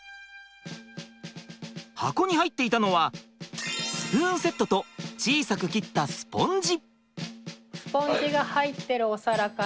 箱に入っていたのはスプーンセットと小さく切ったスポンジ。